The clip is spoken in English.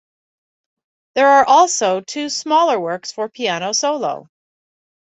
There are also two smaller works for piano solo.